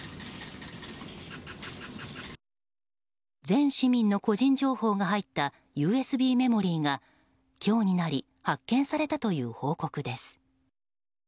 全市民の個人情報が入ったＵＳＢメモリーが今日になり発見されたという報告です。